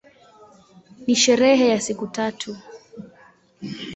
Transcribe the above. Ni sherehe ya siku tatu.